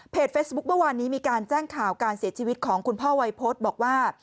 เฟซบุ๊คเมื่อวานนี้มีการแจ้งข่าวการเสียชีวิตของคุณพ่อวัยพฤษบอกว่า